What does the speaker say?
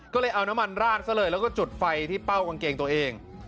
ก็เลยเอาน้ำมันราดซะเลยแล้วก็จุดไฟที่เป้ากางเกงตัวเอง